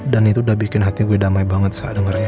dan itu udah bikin hati gue damai banget sack dengernya